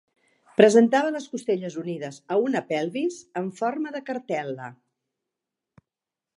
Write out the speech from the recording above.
Presentava les costelles unides a una pelvis en forma de cartel·la.